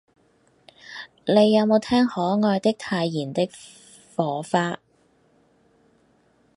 你有無聽可愛的太妍的火花